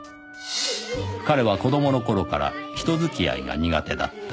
“彼”は子供の頃から人付き合いが苦手だった